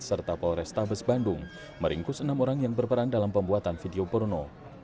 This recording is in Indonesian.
serta polrestabes bandung meringkus enam orang yang berperan dalam pembuatan video porno